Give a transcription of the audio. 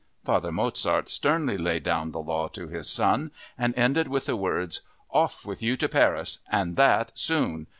Father Mozart sternly laid down the law to his son and ended with the words: "Off with you to Paris! And that soon!